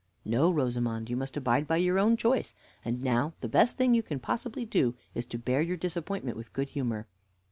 "No, Rosamond; you must abide by your own choice; and now the best thing you can possibly do is to bear your disappointment with good humor."